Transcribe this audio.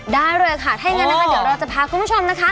ได้เลยค่ะถ้าอย่างนั้นนะคะเดี๋ยวเราจะพาคุณผู้ชมนะคะ